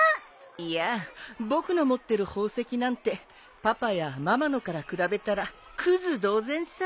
いや僕の持ってる宝石なんてパパやママのから比べたらくず同然さ。